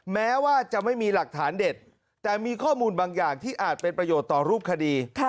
แม้ว่าจะไม่มีหลักฐานเด็ดแต่มีข้อมูลบางอย่างที่อาจเป็นประโยชน์ต่อรูปคดี